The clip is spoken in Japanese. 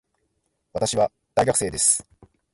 私は大学生です。